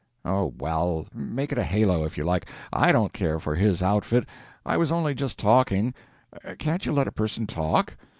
"Oh, well, make it a halo, if you like, I don't care for his outfit, I was only just talking. Can't you let a person talk?"